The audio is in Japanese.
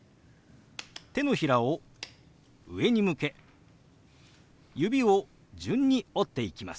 手のひらを上に向け指を順に折っていきます。